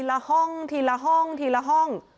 ละห้องทีละห้องทีละห้อง